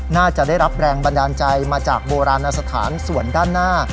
น่าจะได้รับแรงบันดาลใจมาจากโบราณสถานส่วนด้านหน้า